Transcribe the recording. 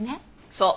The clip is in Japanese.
そう。